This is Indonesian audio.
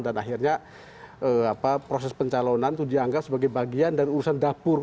dan akhirnya proses pencalonan itu dianggap sebagai bagian dan urusan dapur